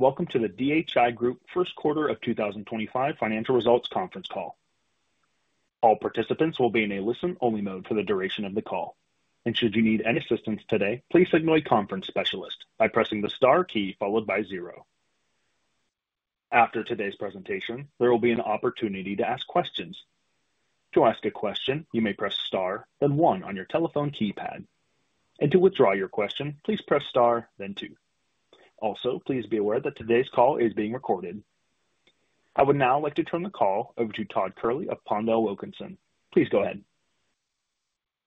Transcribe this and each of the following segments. Okay. Welcome to the DHI Group First Quarter of 2025 Financial Results Conference Call. All participants will be in a listen-only mode for the duration of the call. Should you need any assistance today, please signal a conference specialist by pressing the star key followed by zero. After today's presentation, there will be an opportunity to ask questions. To ask a question, you may press star, then one on your telephone keypad. To withdraw your question, please press star, then two. Also, please be aware that today's call is being recorded. I would now like to turn the call over to Todd Kehrli of PondelWilkinson. Please go ahead.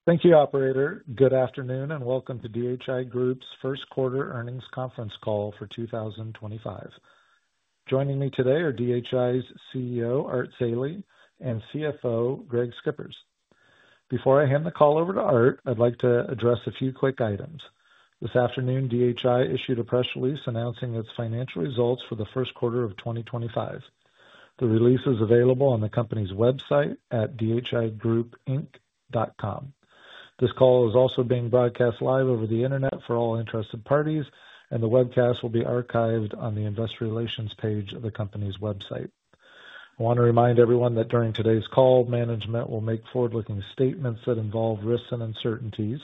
Thank you, Operator. Good afternoon and welcome to DHI Group's First Quarter Earnings Conference Call for 2025. Joining me today are DHI's CEO, Art Zeile, and CFO, Greg Schippers. Before I hand the call over to Art, I'd like to address a few quick items. This afternoon, DHI issued a press release announcing its financial results for the first quarter of 2025. The release is available on the company's website at dhigroupinc.com. This call is also being broadcast live over the internet for all interested parties, and the webcast will be archived on the investor relations page of the company's website. I want to remind everyone that during today's call, management will make forward-looking statements that involve risks and uncertainties.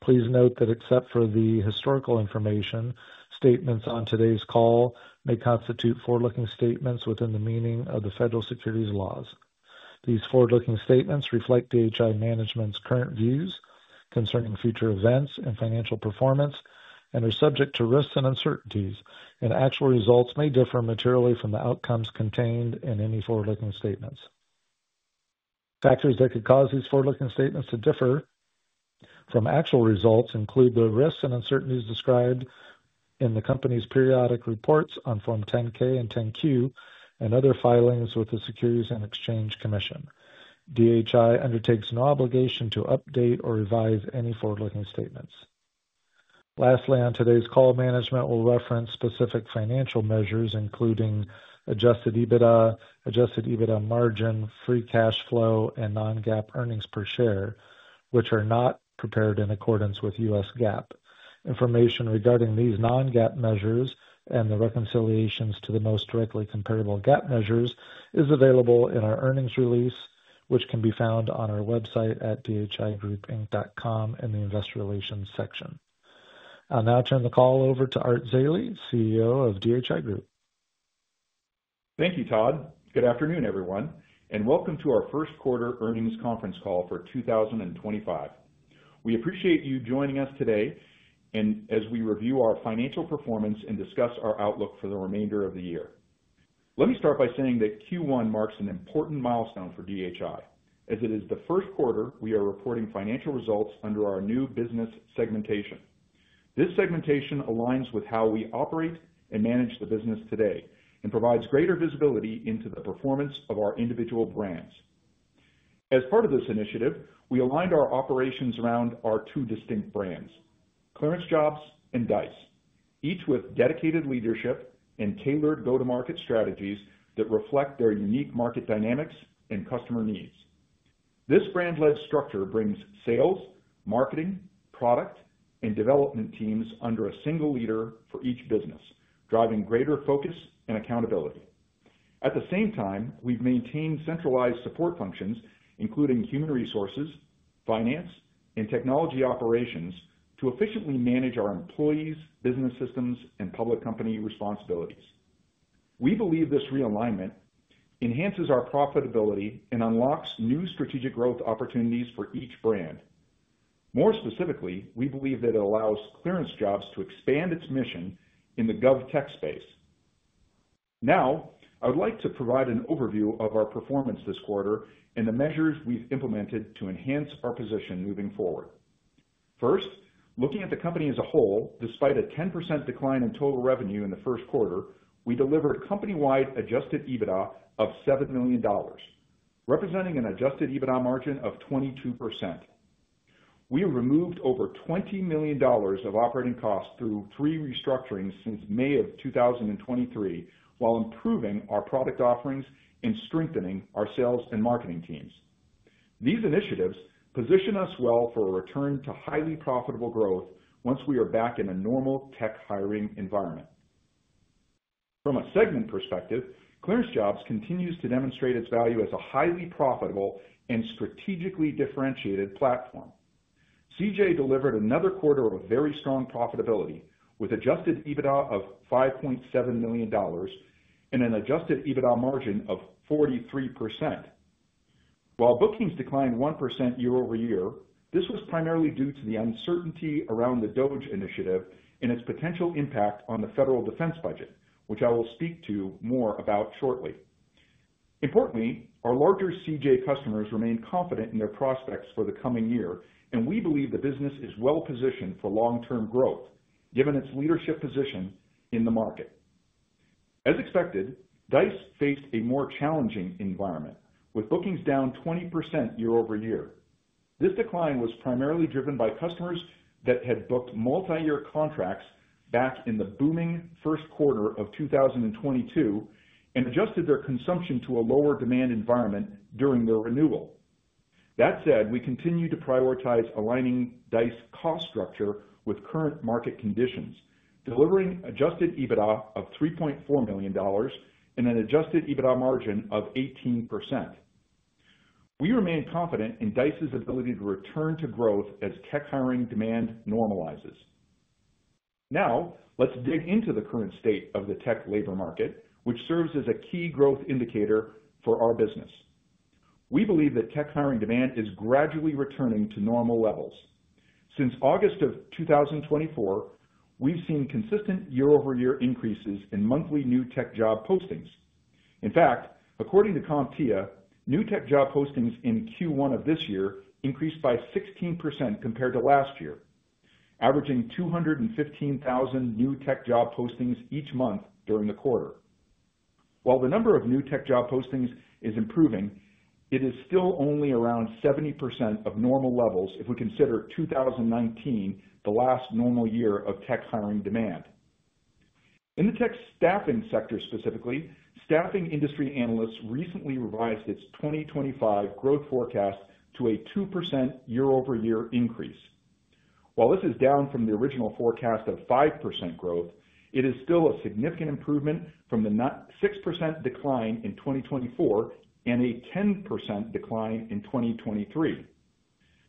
Please note that except for the historical information, statements on today's call may constitute forward-looking statements within the meaning of the federal securities laws. These forward-looking statements reflect DHI management's current views concerning future events and financial performance and are subject to risks and uncertainties, and actual results may differ materially from the outcomes contained in any forward-looking statements. Factors that could cause these forward-looking statements to differ from actual results include the risks and uncertainties described in the company's periodic reports on Form 10-K and 10-Q and other filings with the Securities and Exchange Commission. DHI undertakes no obligation to update or revise any forward-looking statements. Lastly, on today's call, management will reference specific financial measures including adjusted EBITDA, adjusted EBITDA margin, free cash flow, and non-GAAP earnings per share, which are not prepared in accordance with U.S. GAAP. Information regarding these non-GAAP measures and the reconciliations to the most directly comparable GAAP measures is available in our earnings release, which can be found on our website at dhigroupinc.com in the investor relations section. I'll now turn the call over to Art Zeile, CEO of DHI Group. Thank you, Todd. Good afternoon, everyone, and welcome to our First Quarter Earnings Conference Call for 2025. We appreciate you joining us today as we review our financial performance and discuss our outlook for the remainder of the year. Let me start by saying that Q1 marks an important milestone for DHI, as it is the first quarter we are reporting financial results under our new business segmentation. This segmentation aligns with how we operate and manage the business today and provides greater visibility into the performance of our individual brands. As part of this initiative, we aligned our operations around our two distinct brands, ClearanceJobs and Dice, each with dedicated leadership and tailored go-to-market strategies that reflect their unique market dynamics and customer needs. This brand-led structure brings sales, marketing, product, and development teams under a single leader for each business, driving greater focus and accountability. At the same time, we've maintained centralized support functions, including human resources, finance, and technology operations, to efficiently manage our employees, business systems, and public company responsibilities. We believe this realignment enhances our profitability and unlocks new strategic growth opportunities for each brand. More specifically, we believe that it allows ClearanceJobs to expand its mission in the gov tech space. Now, I would like to provide an overview of our performance this quarter and the measures we've implemented to enhance our position moving forward. First, looking at the company as a whole, despite a 10% decline in total revenue in the first quarter, we delivered company-wide adjusted EBITDA of $7 million, representing an adjusted EBITDA margin of 22%. We removed over $20 million of operating costs through three restructurings since May of 2023, while improving our product offerings and strengthening our sales and marketing teams. These initiatives position us well for a return to highly profitable growth once we are back in a normal tech hiring environment. From a segment perspective, ClearanceJobs continues to demonstrate its value as a highly profitable and strategically differentiated platform. CJ delivered another quarter of very strong profitability with adjusted EBITDA of $5.7 million and an adjusted EBITDA margin of 43%. While bookings declined 1% year-over-year, this was primarily due to the uncertainty around the DOGE initiative and its potential impact on the federal defense budget, which I will speak to more about shortly. Importantly, our larger CJ customers remain confident in their prospects for the coming year, and we believe the business is well-positioned for long-term growth, given its leadership position in the market. As expected, Dice faced a more challenging environment, with bookings down 20% year-over-year. This decline was primarily driven by customers that had booked multi-year contracts back in the booming first quarter of 2022 and adjusted their consumption to a lower demand environment during their renewal. That said, we continue to prioritize aligning Dice's cost structure with current market conditions, delivering adjusted EBITDA of $3.4 million and an adjusted EBITDA margin of 18%. We remain confident in Dice's ability to return to growth as tech hiring demand normalizes. Now, let's dig into the current state of the tech labor market, which serves as a key growth indicator for our business. We believe that tech hiring demand is gradually returning to normal levels. Since August of 2024, we've seen consistent year-over-year increases in monthly new tech job postings. In fact, according to CompTIA, new tech job postings in Q1 of this year increased by 16% compared to last year, averaging 215,000 new tech job postings each month during the quarter. While the number of new tech job postings is improving, it is still only around 70% of normal levels if we consider 2019, the last normal year of tech hiring demand. In the tech staffing sector specifically, Staffing Industry Analysts recently revised its 2025 growth forecast to a 2% year-over-year increase. While this is down from the original forecast of 5% growth, it is still a significant improvement from the 6% decline in 2024 and a 10% decline in 2023.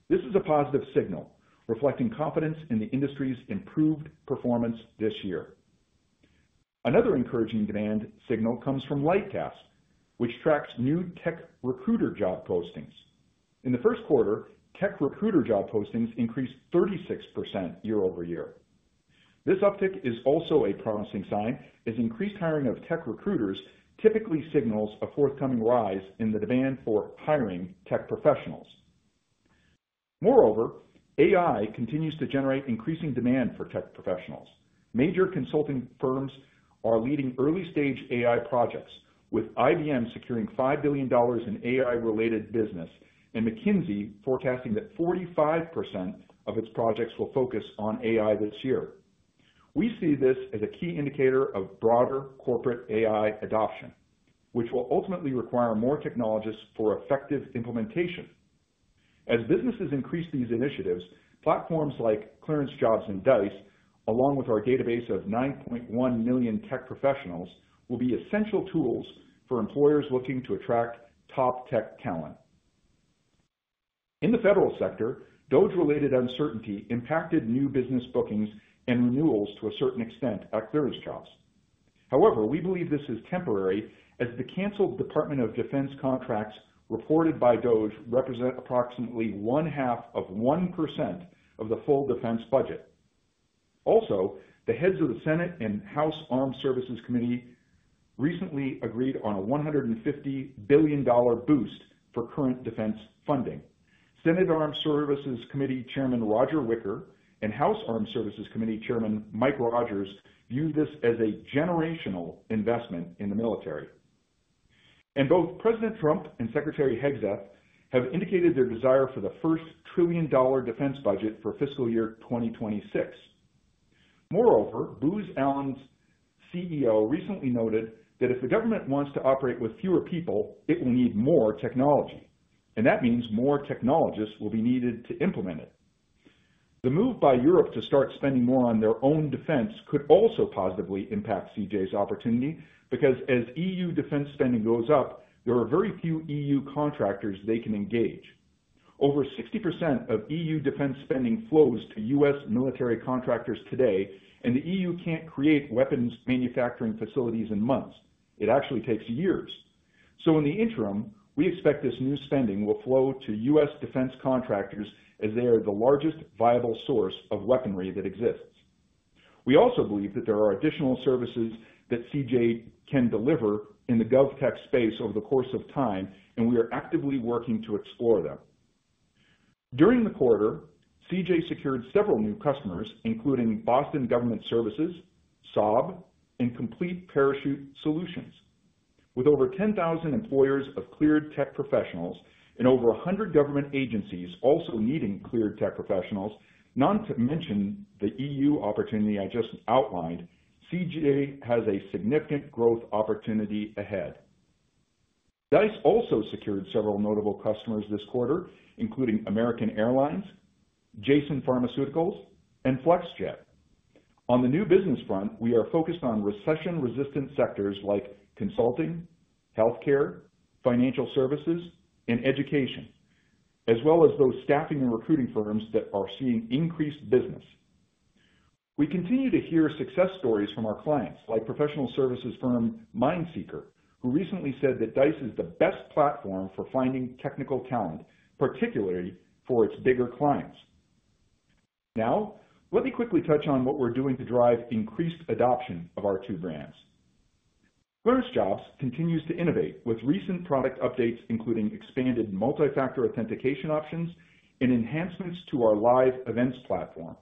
This is a positive signal, reflecting confidence in the industry's improved performance this year. Another encouraging demand signal comes from Lightcast, which tracks new tech recruiter job postings. In the first quarter, tech recruiter job postings increased 36% year-over-year. This uptick is also a promising sign, as increased hiring of tech recruiters typically signals a forthcoming rise in the demand for hiring tech professionals. Moreover, AI continues to generate increasing demand for tech professionals. Major consulting firms are leading early-stage AI projects, with IBM securing $5 billion in AI-related business, and McKinsey forecasting that 45% of its projects will focus on AI this year. We see this as a key indicator of broader corporate AI adoption, which will ultimately require more technologists for effective implementation. As businesses increase these initiatives, platforms like ClearanceJobs and Dice, along with our database of 9.1 million tech professionals, will be essential tools for employers looking to attract top tech talent. In the federal sector, DOGE-related uncertainty impacted new business bookings and renewals to a certain extent at ClearanceJobs. However, we believe this is temporary, as the canceled Department of Defense contracts reported by DOGE represent approximately one-half of 1% of the full defense budget. Also, the heads of the Senate and House Armed Services Committee recently agreed on a $150 billion boost for current defense funding. Senate Armed Services Committee Chairman Roger Wicker and House Armed Services Committee Chairman Mike Rogers view this as a generational investment in the military. Both President Trump and Secretary Hegseth have indicated their desire for the first trillion-dollar defense budget for fiscal year 2026. Moreover, Booz Allen's CEO recently noted that if the government wants to operate with fewer people, it will need more technology, and that means more technologists will be needed to implement it. The move by Europe to start spending more on their own defense could also positively impact CJ's opportunity because as EU defense spending goes up, there are very few EU contractors they can engage. Over 60% of EU defense spending flows to U.S. military contractors today, and the EU can't create weapons manufacturing facilities in months. It actually takes years. In the interim, we expect this new spending will flow to U.S. defense contractors as they are the largest viable source of weaponry that exists. We also believe that there are additional services that CJ can deliver in the gov tech space over the course of time, and we are actively working to explore them. During the quarter, CJ secured several new customers, including Boston Government Services, Saab, and Complete Parachute Solutions. With over 10,000 employers of cleared tech professionals and over 100 government agencies also needing cleared tech professionals, not to mention the EU opportunity I just outlined, CJ has a significant growth opportunity ahead. Dice also secured several notable customers this quarter, including American Airlines, Janssen Pharmaceuticals, and Flexjet. On the new business front, we are focused on recession-resistant sectors like consulting, healthcare, financial services, and education, as well as those staffing and recruiting firms that are seeing increased business. We continue to hear success stories from our clients, like professional services firm MindSeekers, who recently said that Dice is the best platform for finding technical talent, particularly for its bigger clients. Now, let me quickly touch on what we're doing to drive increased adoption of our two brands. ClearanceJobs continues to innovate with recent product updates, including expanded multi-factor authentication options and enhancements to our live events platform.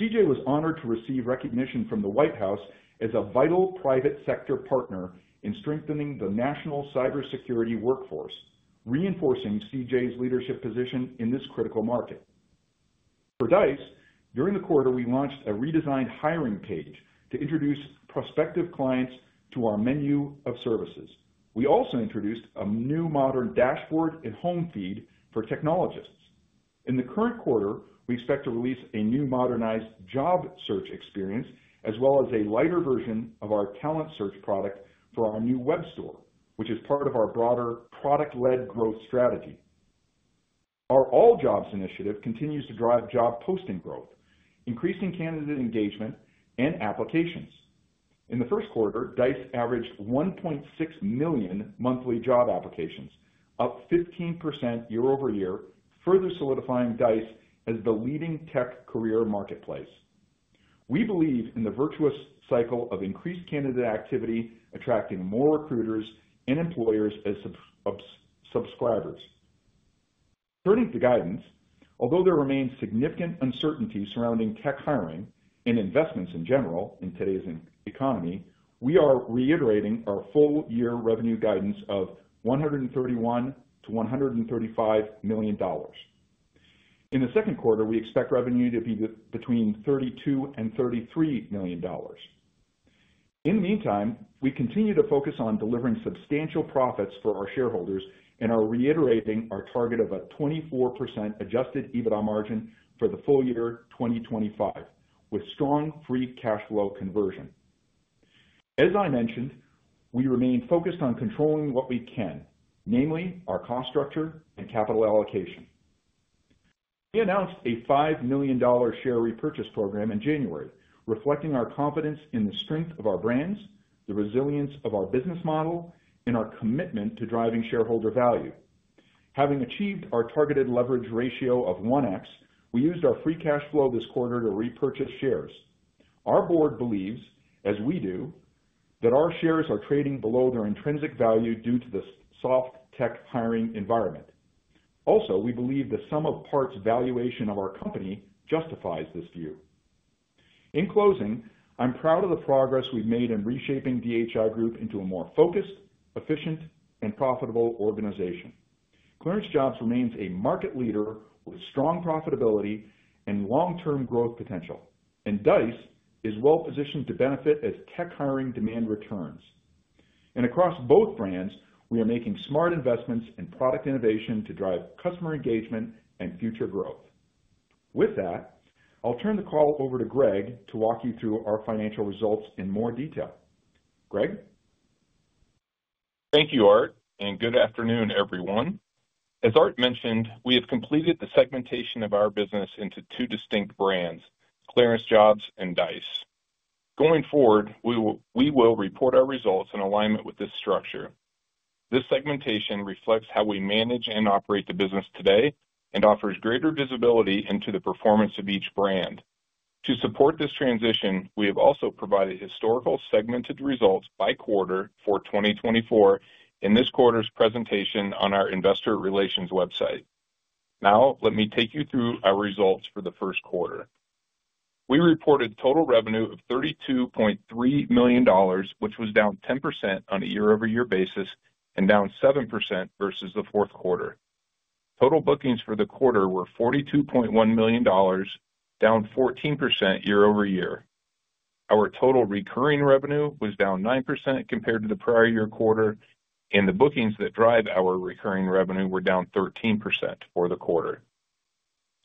CJ was honored to receive recognition from the White House as a vital private sector partner in strengthening the national cybersecurity workforce, reinforcing CJ's leadership position in this critical market. For Dice, during the quarter, we launched a redesigned hiring page to introduce prospective clients to our menu of services. We also introduced a new modern dashboard and home feed for technologists. In the current quarter, we expect to release a new modernized job search experience, as well as a lighter version of our talent search product for our new web store, which is part of our broader product-led growth strategy. Our all jobs initiative continues to drive job posting growth, increasing candidate engagement and applications. In the first quarter, Dice averaged 1.6 million monthly job applications, up 15% year-over-year, further solidifying Dice as the leading tech career marketplace. We believe in the virtuous cycle of increased candidate activity, attracting more recruiters and employers as subscribers. Turning to guidance, although there remains significant uncertainty surrounding tech hiring and investments in general in today's economy, we are reiterating our full-year revenue guidance of $131 milion-$135 million. In the second quarter, we expect revenue to be between $32 million-$33 million. In the meantime, we continue to focus on delivering substantial profits for our shareholders and are reiterating our target of a 24% adjusted EBITDA margin for the full year 2025, with strong free cash flow conversion. As I mentioned, we remain focused on controlling what we can, namely our cost structure and capital allocation. We announced a $5 million share repurchase program in January, reflecting our confidence in the strength of our brands, the resilience of our business model, and our commitment to driving shareholder value. Having achieved our targeted leverage ratio of 1x, we used our free cash flow this quarter to repurchase shares. Our board believes, as we do, that our shares are trading below their intrinsic value due to the soft tech hiring environment. Also, we believe the sum of parts valuation of our company justifies this view. In closing, I'm proud of the progress we've made in reshaping DHI Group into a more focused, efficient, and profitable organization. ClearanceJobs remains a market leader with strong profitability and long-term growth potential, and Dice is well-positioned to benefit as tech hiring demand returns. Across both brands, we are making smart investments and product innovation to drive customer engagement and future growth. With that, I'll turn the call over to Greg to walk you through our financial results in more detail. Greg? Thank you, Art, and good afternoon, everyone. As Art mentioned, we have completed the segmentation of our business into two distinct brands, ClearanceJobs and Dice. Going forward, we will report our results in alignment with this structure. This segmentation reflects how we manage and operate the business today and offers greater visibility into the performance of each brand. To support this transition, we have also provided historical segmented results by quarter for 2024 in this quarter's presentation on our investor relations website. Now, let me take you through our results for the first quarter. We reported total revenue of $32.3 million, which was down 10% on a year-over-year basis and down 7% versus the fourth quarter. Total bookings for the quarter were $42.1 million, down 14% year-over-year. Our total recurring revenue was down 9% compared to the prior year quarter, and the bookings that drive our recurring revenue were down 13% for the quarter.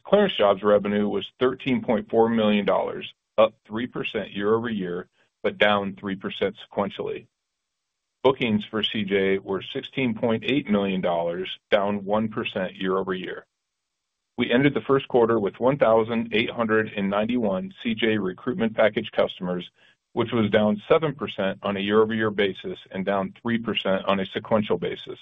ClearanceJobs revenue was $13.4 million, up 3% year-over-year, but down 3% sequentially. Bookings for CJ were $16.8 million, down 1% year-over-year. We ended the first quarter with 1,891 CJ recruitment package customers, which was down 7% on a year-over-year basis and down 3% on a sequential basis.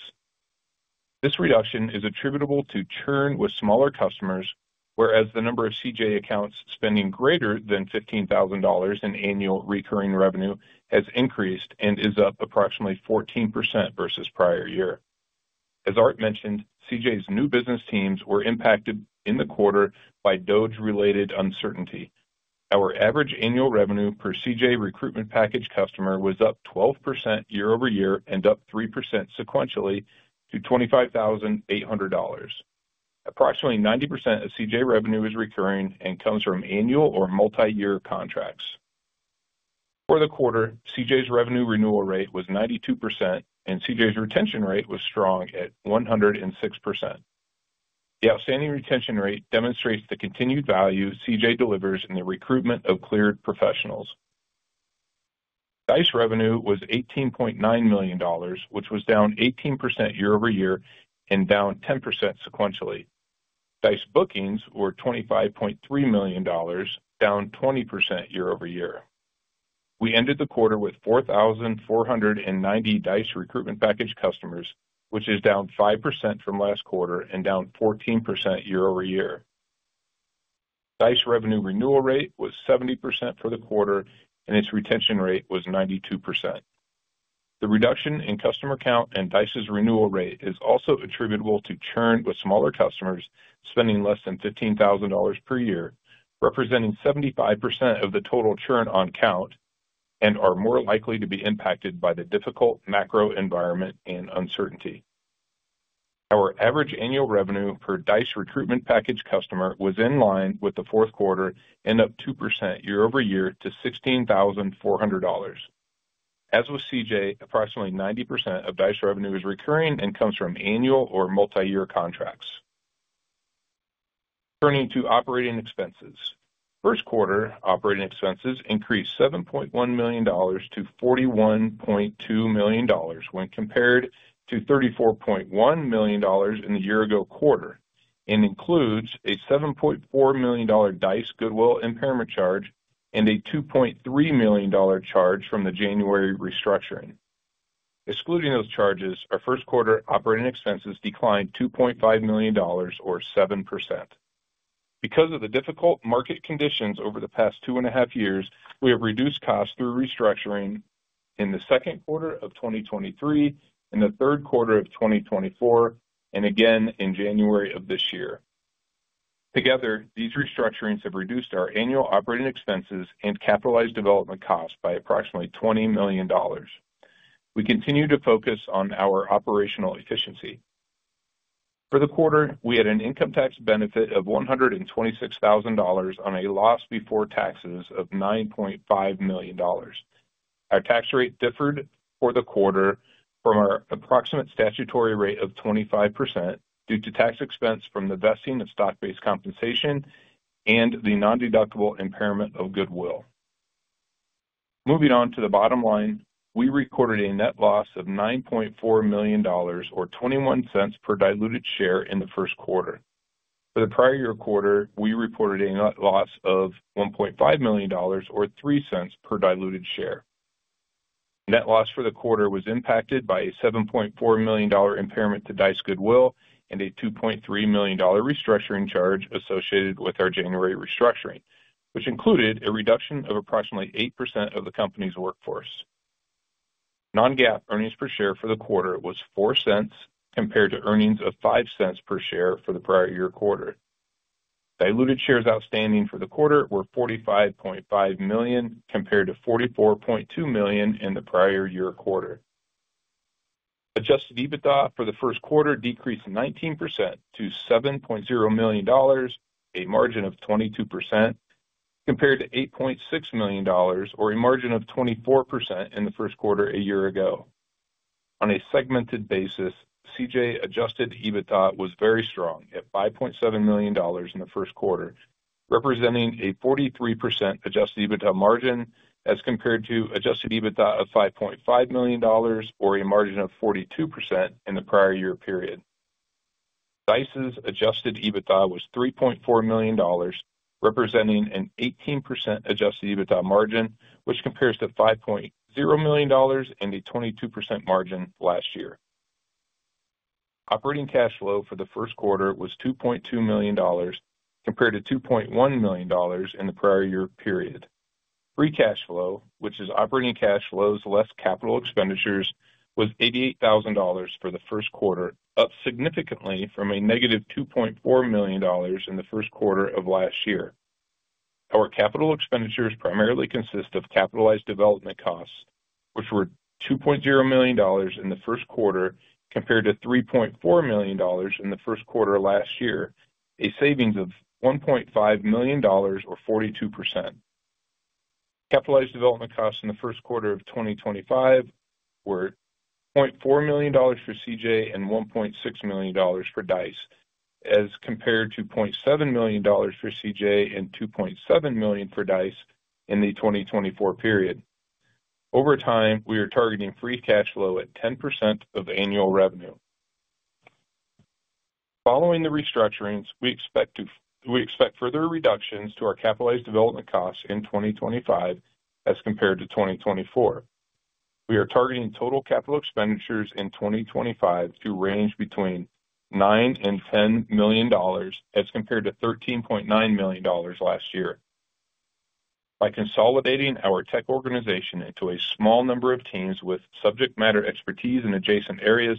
This reduction is attributable to churn with smaller customers, whereas the number of CJ accounts spending greater than $15,000 in annual recurring revenue has increased and is up approximately 14% versus prior year. As Art mentioned, CJ's new business teams were impacted in the quarter by DOGE-related uncertainty. Our average annual revenue per CJ recruitment package customer was up 12% year-over-year and up 3% sequentially to $25,800. Approximately 90% of CJ revenue is recurring and comes from annual or multi-year contracts. For the quarter, CJ's revenue renewal rate was 92%, and CJ's retention rate was strong at 106%. The outstanding retention rate demonstrates the continued value CJ delivers in the recruitment of cleared professionals. Dice revenue was $18.9 million, which was down 18% year-over-year and down 10% sequentially. Dice bookings were $25.3 million, down 20% year-over-year. We ended the quarter with 4,490 Dice recruitment package customers, which is down 5% from last quarter and down 14% year-over-year. Dice revenue renewal rate was 70% for the quarter, and its retention rate was 92%. The reduction in customer count and Dice's renewal rate is also attributable to churn with smaller customers spending less than $15,000 per year, representing 75% of the total churn on count, and are more likely to be impacted by the difficult macro environment and uncertainty. Our average annual revenue per Dice recruitment package customer was in line with the fourth quarter and up 2% year-over-year to $16,400. As with CJ, approximately 90% of Dice revenue is recurring and comes from annual or multi-year contracts. Turning to operating expenses. First quarter, operating expenses increased $7.1 million to $41.2 million when compared to $34.1 million in the year-ago quarter and includes a $7.4 million Dice goodwill impairment charge and a $2.3 million charge from the January restructuring. Excluding those charges, our first quarter operating expenses declined $2.5 million, or 7%. Because of the difficult market conditions over the past two and a half years, we have reduced costs through restructuring in the second quarter of 2023, in the third quarter of 2024, and again in January of this year. Together, these restructurings have reduced our annual operating expenses and capitalized development costs by approximately $20 million. We continue to focus on our operational efficiency. For the quarter, we had an income tax benefit of $126,000 on a loss before taxes of $9.5 million. Our tax rate differed for the quarter from our approximate statutory rate of 25% due to tax expense from the vesting of stock-based compensation and the non-deductible impairment of goodwill. Moving on to the bottom line, we recorded a net loss of $9.4 million, or $0.21 per diluted share in the first quarter. For the prior year quarter, we reported a net loss of $1.5 million, or $0.03 per diluted share. Net loss for the quarter was impacted by a $7.4 million impairment to Dice goodwill and a $2.3 million restructuring charge associated with our January restructuring, which included a reduction of approximately 8% of the company's workforce. Non-GAAP earnings per share for the quarter was $0.04 compared to earnings of $0.05 per share for the prior year quarter. Diluted shares outstanding for the quarter were $45.5 million compared to $44.2 million in the prior year quarter. Adjusted EBITDA for the first quarter decreased 19% to $7.0 million, a margin of 22% compared to $8.6 million, or a margin of 24% in the first quarter a year ago. On a segmented basis, CJ adjusted EBITDA was very strong at $5.7 million in the first quarter, representing a 43% adjusted EBITDA margin as compared to adjusted EBITDA of $5.5 million, or a margin of 42% in the prior year period. Dice's adjusted EBITDA was $3.4 million, representing an 18% adjusted EBITDA margin, which compares to $5.0 million and a 22% margin last year. Operating cash flow for the first quarter was $2.2 million compared to $2.1 million in the prior year period. Free cash flow, which is operating cash flows less capital expenditures, was $88,000 for the first quarter, up significantly from a negative $2.4 million in the first quarter of last year. Our capital expenditures primarily consist of capitalized development costs, which were $2.0 million in the first quarter compared to $3.4 million in the first quarter last year, a savings of $1.5 million, or 42%. Capitalized development costs in the first quarter of 2025 were $0.4 million for CJ and $1.6 million for Dice, as compared to $0.7 million for CJ and $2.7 million for Dice in the 2024 period. Over time, we are targeting free cash flow at 10% of annual revenue. Following the restructurings, we expect further reductions to our capitalized development costs in 2025 as compared to 2024. We are targeting total capital expenditures in 2025 to range between $9 million and $10 million as compared to $13.9 million last year. By consolidating our tech organization into a small number of teams with subject matter expertise in adjacent areas,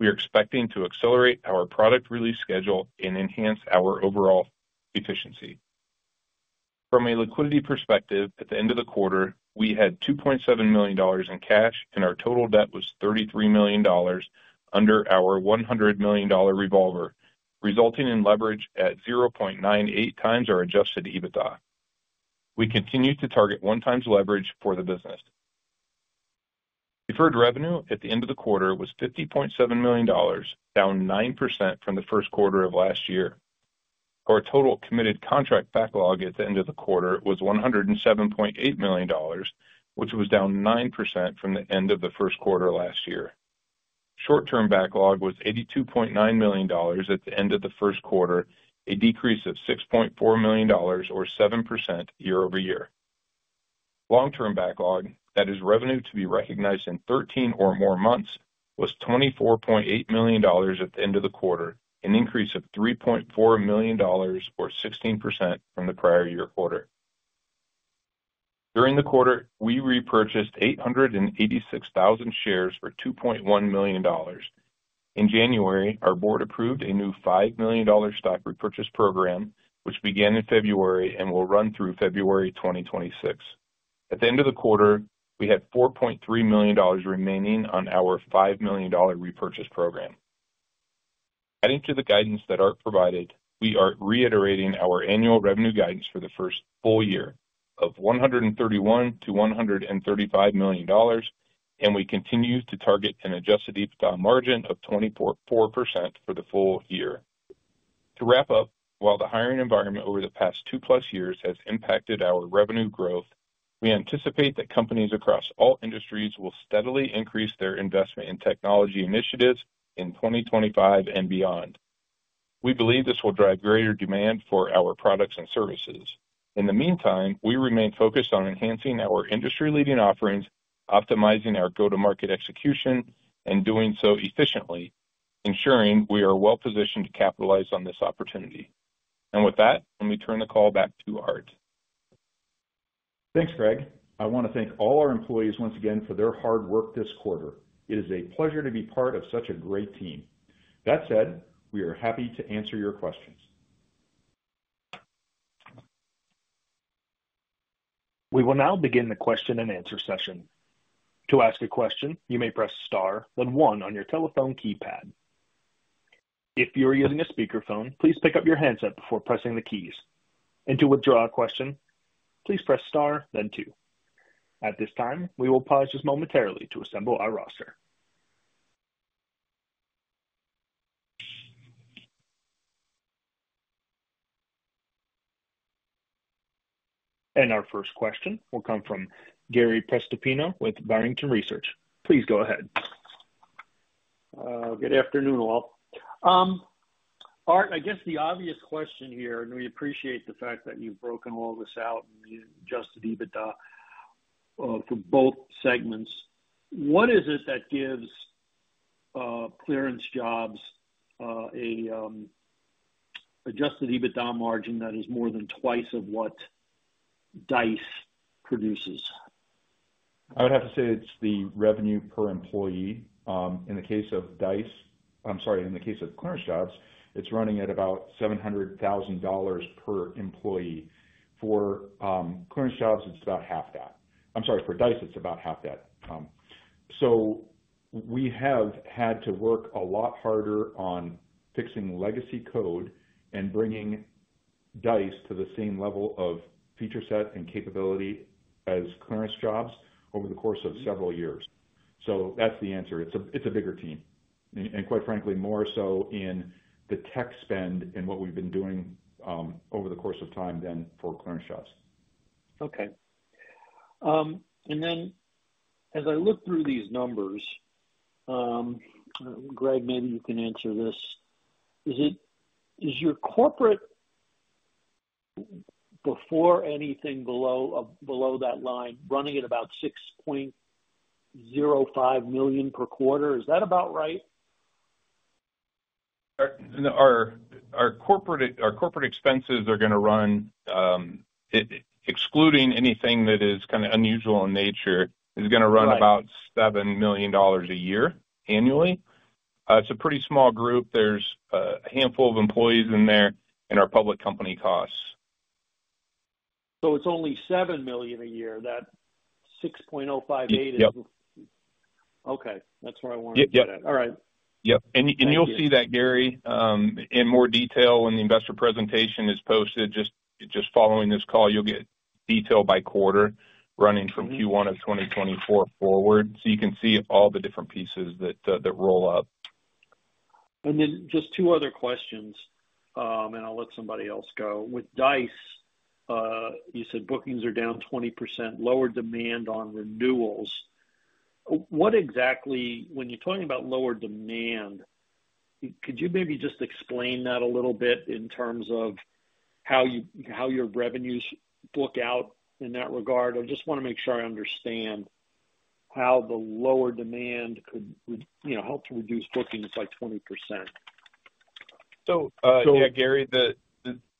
we are expecting to accelerate our product release schedule and enhance our overall efficiency. From a liquidity perspective, at the end of the quarter, we had $2.7 million in cash, and our total debt was $33 million under our $100 million revolver, resulting in leverage at 0.98x our adjusted EBITDA. We continue to target one-time leverage for the business. Deferred revenue at the end of the quarter was $50.7 million, down 9% from the first quarter of last year. Our total committed contract backlog at the end of the quarter was $107.8 million, which was down 9% from the end of the first quarter last year. Short-term backlog was $82.9 million at the end of the first quarter, a decrease of $6.4 million, or 7% year-over-year. Long-term backlog, that is revenue to be recognized in 13 or more months, was $24.8 million at the end of the quarter, an increase of $3.4 million, or 16% from the prior year quarter. During the quarter, we repurchased 886,000 shares for $2.1 million. In January, our board approved a new $5 million stock repurchase program, which began in February and will run through February 2026. At the end of the quarter, we had $4.3 million remaining on our $5 million repurchase program. Adding to the guidance that Art provided, we are reiterating our annual revenue guidance for the first full year of $131 million-$135 million, and we continue to target an adjusted EBITDA margin of 24% for the full year. To wrap up, while the hiring environment over the past two-plus years has impacted our revenue growth, we anticipate that companies across all industries will steadily increase their investment in technology initiatives in 2025 and beyond. We believe this will drive greater demand for our products and services. In the meantime, we remain focused on enhancing our industry-leading offerings, optimizing our go-to-market execution, and doing so efficiently, ensuring we are well-positioned to capitalize on this opportunity. Let me turn the call back to Art. Thanks, Greg. I want to thank all our employees once again for their hard work this quarter. It is a pleasure to be part of such a great team. That said, we are happy to answer your questions. We will now begin the question and answer session. To ask a question, you may press star, then ons on your telephone keypad. If you are using a speakerphone, please pick up your handset before pressing the keys. To withdraw a question, please press star, then two. At this time, we will pause just momentarily to assemble our roster. Our first question will come from Gary Prestopino with Barrington Research. Please go ahead. Good afternoon, all. Art, I guess the obvious question here, and we appreciate the fact that you've broken all this out and adjusted EBITDA for both segments. What is it that gives ClearanceJobs an adjusted EBITDA margin that is more than twice of what Dice produces? I would have to say it's the revenue per employee. In the case of Dice, I'm sorry, in the case of ClearanceJobs, it's running at about $700,000 per employee. For ClearanceJobs, it's about half that. I'm sorry, for Dice, it's about half that. We have had to work a lot harder on fixing legacy code and bringing Dice to the same level of feature set and capability as ClearanceJobs over the course of several years. That is the answer. It is a bigger team. And quite frankly, more so in the tech spend and what we have been doing over the course of time than for ClearanceJobs. Okay. As I look through these numbers, Greg, maybe you can answer this. Is your corporate, before anything below that line, running at about $6.05 million per quarter? Is that about right? Our corporate expenses are going to run, excluding anything that is kind of unusual in nature, about $7 million a year annually. It is a pretty small group. There is a handful of employees in there and our public company costs. It is only $7 million a year? That $6.058 is okay. That is where I wanted to get at. All right. Yep. You will see that, Gary, in more detail when the investor presentation is posted. Just following this call, you will get detail by quarter running from Q1 of 2024 forward. You can see all the different pieces that roll up. Then just two other questions, and I will let somebody else go. With Dice, you said bookings are down 20%, lower demand on renewals. When you are talking about lower demand, could you maybe just explain that a little bit in terms of how your revenues look out in that regard? I just want to make sure I understand how the lower demand could help to reduce bookings by 20%. Yeah, Gary,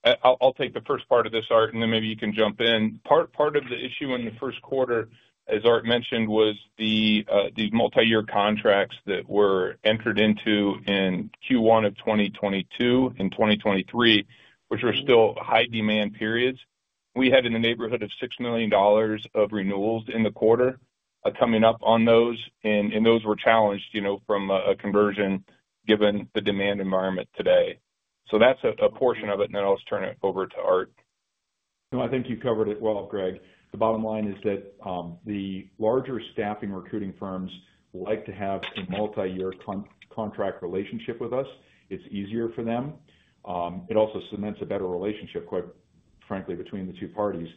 I will take the first part of this, Art, and then maybe you can jump in. Part of the issue in the first quarter, as Art mentioned, was the multi-year contracts that were entered into in Q1 of 2022 and 2023, which were still high-demand periods. We had in the neighborhood of $6 million of renewals in the quarter coming up on those, and those were challenged from a conversion given the demand environment today. That is a portion of it, and then I'll just turn it over to Art. No, I think you covered it well, Greg. The bottom line is that the larger staffing recruiting firms like to have a multi-year contract relationship with us. It's easier for them. It also cements a better relationship, quite frankly, between the two parties.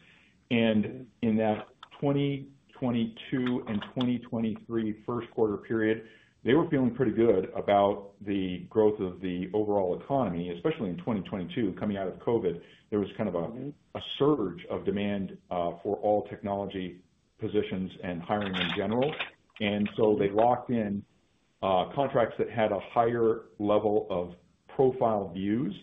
In that 2022 and 2023 first quarter period, they were feeling pretty good about the growth of the overall economy, especially in 2022, coming out of COVID. There was kind of a surge of demand for all technology positions and hiring in general. And so they locked in contracts that had a higher level of profile views.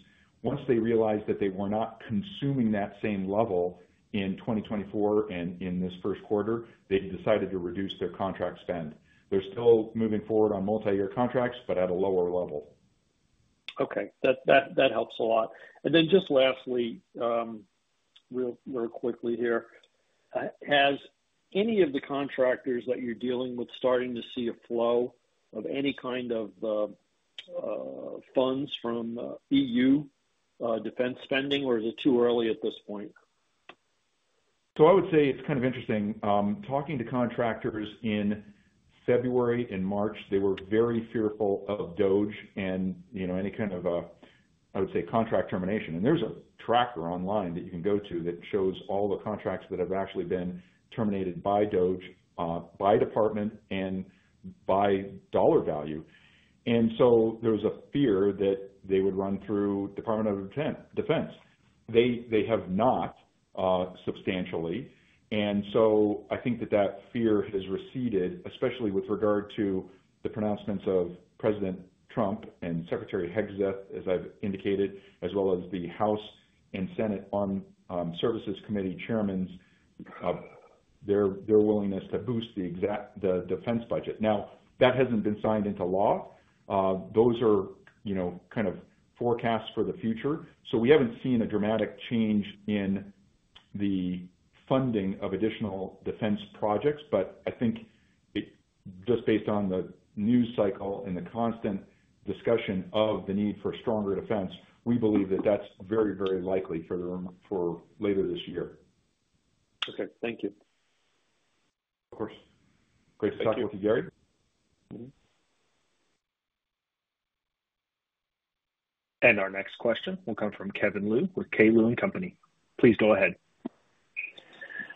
Once they realized that they were not consuming that same level in 2024 and in this first quarter, they decided to reduce their contract spend. They're still moving forward on multi-year contracts, but at a lower level. Okay. That helps a lot. And then just lastly, real quickly here, has any of the contractors that you're dealing with starting to see a flow of any kind of funds from EU defense spending, or is it too early at this point? I would say it's kind of interesting. Talking to contractors in February and March, they were very fearful of DOGE and any kind of, I would say, contract termination. There is a tracker online that you can go to that shows all the contracts that have actually been terminated by DOGE, by department, and by dollar value. There was a fear that they would run through Department of Defense. They have not substantially. I think that that fear has receded, especially with regard to the pronouncements of President Trump and Secretary Hegseth, as I have indicated, as well as the House and Senate Services Committee chairmen's willingness to boost the defense budget. That has not been signed into law. Those are kind of forecasts for the future. We have not seen a dramatic change in the funding of additional defense projects. I think just based on the news cycle and the constant discussion of the need for stronger defense, we believe that that is very, very likely for later this year. Okay. Thank you. Of course. Great to talk with you, Gary. Our next question will come from Kevin Liu with K. Liu & Company. Please go ahead.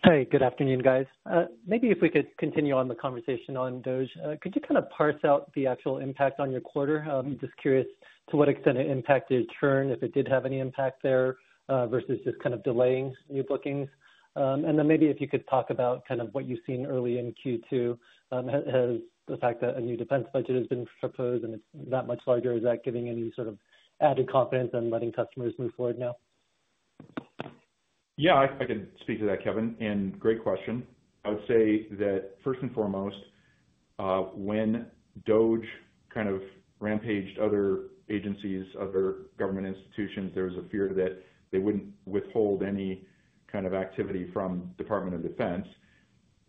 Hi. Good afternoon, guys. Maybe if we could continue on the conversation on DOGE, could you kind of parse out the actual impact on your quarter? I'm just curious to what extent it impacted churn, if it did have any impact there, versus just kind of delaying new bookings. Maybe if you could talk about kind of what you've seen early in Q2, has the fact that a new defense budget has been proposed and it's that much larger, is that giving any sort of added confidence in letting customers move forward now? Yeah, I can speak to that, Kevin. Great question. I would say that first and foremost, when DOGE kind of rampaged other agencies, other government institutions, there was a fear that they would not withhold any kind of activity from the Department of Defense.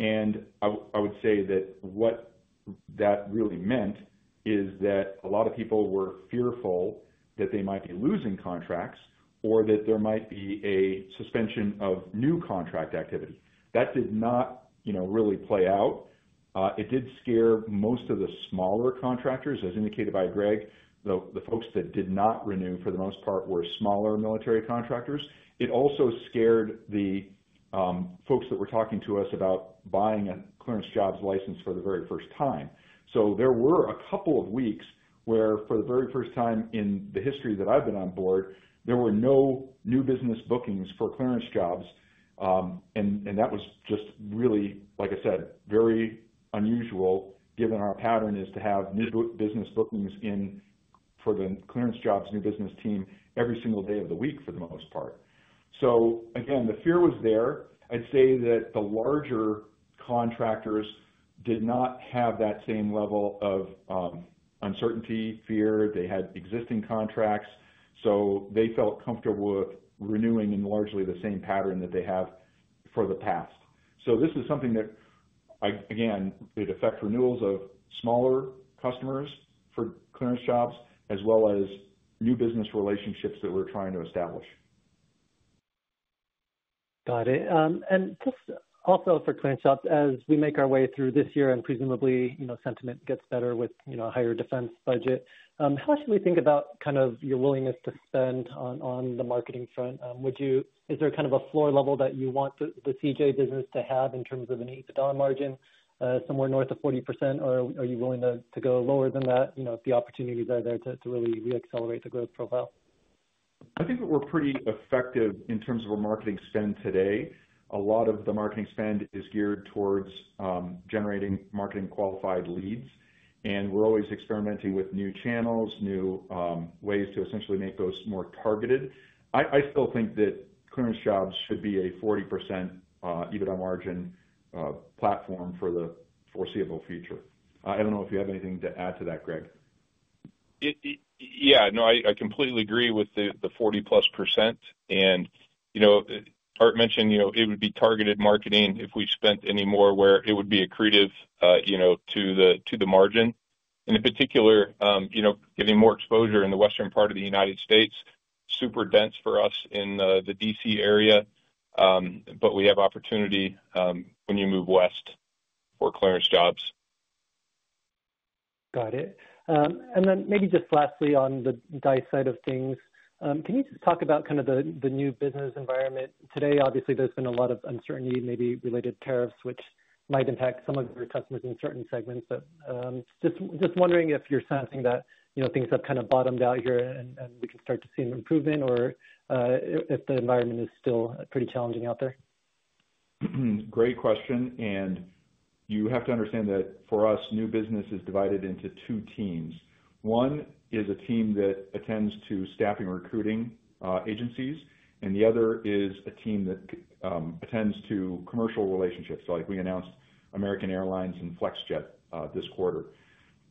I would say that what that really meant is that a lot of people were fearful that they might be losing contracts or that there might be a suspension of new contract activity. That did not really play out. It did scare most of the smaller contractors, as indicated by Greg. The folks that did not renew, for the most part, were smaller military contractors. It also scared the folks that were talking to us about buying a ClearanceJobs license for the very first time. There were a couple of weeks where, for the very first time in the history that I've been on board, there were no new business bookings for ClearanceJobs. That was just really, like I said, very unusual, given our pattern is to have new business bookings for the ClearanceJobs new business team every single day of the week, for the most part. Again, the fear was there. I'd say that the larger contractors did not have that same level of uncertainty, fear. They had existing contracts, so they felt comfortable with renewing in largely the same pattern that they have for the past. This is something that, again, did affect renewals of smaller customers for ClearanceJobs, as well as new business relationships that we're trying to establish. Got it. Just also for ClearanceJobs, as we make our way through this year and presumably sentiment gets better with a higher defense budget, how should we think about kind of your willingness to spend on the marketing front? Is there kind of a floor level that you want the CJ business to have in terms of an EBITDA margin, somewhere north of 40%? Or are you willing to go lower than that if the opportunities are there to really re-accelerate the growth profile? I think that we're pretty effective in terms of our marketing spend today. A lot of the marketing spend is geared towards generating marketing qualified leads. And we're always experimenting with new channels, new ways to essentially make those more targeted. I still think that ClearanceJobs should be a 40% EBITDA margin platform for the foreseeable future. I don't know if you have anything to add to that, Greg. Yeah. No, I completely agree with the 40+%. And Art mentioned it would be targeted marketing if we spent any more where it would be accretive to the margin. In particular, getting more exposure in the western part of the United States, super dense for us in the DC area. We have opportunity when you move west for ClearanceJobs. Got it. Maybe just lastly on the Dice side of things, can you just talk about kind of the new business environment? Today, obviously, there's been a lot of uncertainty, maybe related tariffs, which might impact some of your customers in certain segments. Just wondering if you're sensing that things have kind of bottomed out here and we can start to see an improvement, or if the environment is still pretty challenging out there? Great question. You have to understand that for us, new business is divided into two teams. One is a team that attends to staffing recruiting agencies, and the other is a team that attends to commercial relationships. We announced American Airlines and FlexJet this quarter.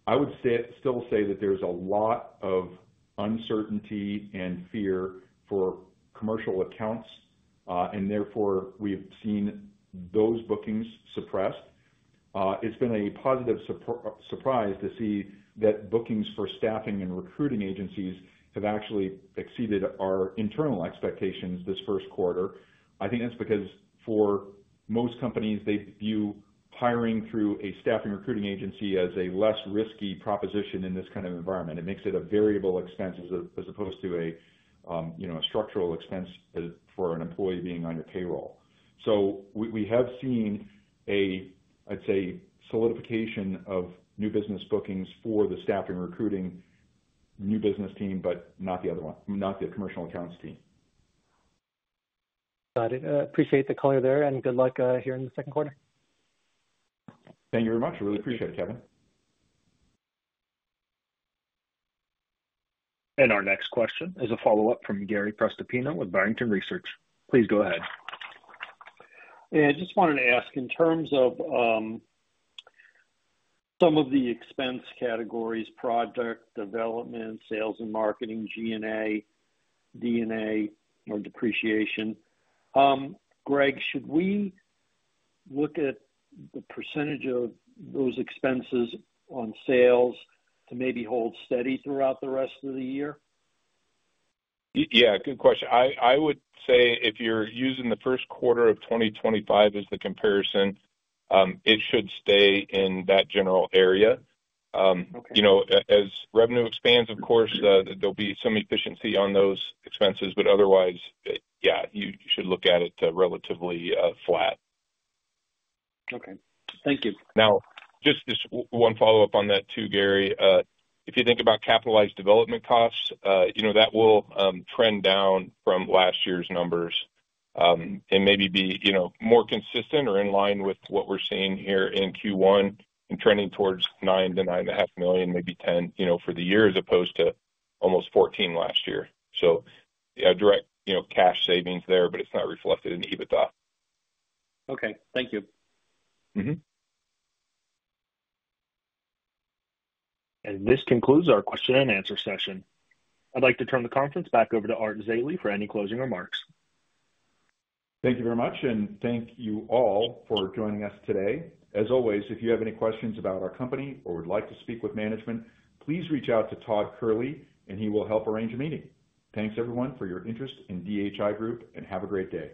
I would still say that there's a lot of uncertainty and fear for commercial accounts. Therefore, we've seen those bookings suppressed. It's been a positive surprise to see that bookings for staffing and recruiting agencies have actually exceeded our internal expectations this first quarter. I think that's because for most companies, they view hiring through a staffing recruiting agency as a less risky proposition in this kind of environment. It makes it a variable expense as opposed to a structural expense for an employee being on your payroll. So we have seen a, I'd say, solidification of new business bookings for the staffing recruiting new business team, but not the commercial accounts team. Got it. Appreciate the color there. And good luck here in the second quarter. Thank you very much. I really appreciate it, Kevin. Our next question is a follow-up from Gary Prestopino with Barrington Research. Please go ahead. I just wanted to ask, in terms of some of the expense categories: product, development, sales and marketing, G&A, D&A, or depreciation, Greg, should we look at the percentage of those expenses on sales to maybe hold steady throughout the rest of the year? Yeah. Good question. I would say if you're using the first quarter of 2025 as the comparison, it should stay in that general area. As revenue expands, of course, there'll be some efficiency on those expenses. Otherwise, yeah, you should look at it relatively flat. Okay. Thank you. Now, just one follow-up on that too, Gary. If you think about capitalized development costs, that will trend down from last year's numbers and maybe be more consistent or in line with what we're seeing here in Q1 and trending towards $9 million-$9.5 million, maybe $10 million for the year, as opposed to almost $14 million last year. Direct cash savings there, but it's not reflected in EBITDA. Okay. Thank you. This concludes our question and answer session. I'd like to turn the conference back over to Art Zeile for any closing remarks. Thank you very much. Thank you all for joining us today. As always, if you have any questions about our company or would like to speak with management, please reach out to Todd Kehrli, and he will help arrange a meeting. Thanks, everyone, for your interest in DHI Group, and have a great day.